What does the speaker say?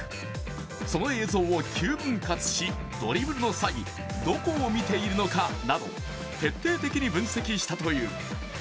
その映像を９分割し、ドリブルの際、どこを見ているのかなど、徹底的に分析したという。